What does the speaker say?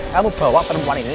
kamu bawa perempuan ini